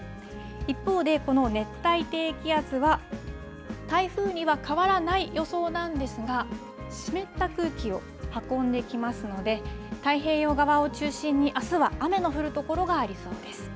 一方でこの熱帯低気圧は、台風には変わらない予想なんですが、湿った空気を運んできますので、太平洋側を中心に、あすは雨の降る所がありそうです。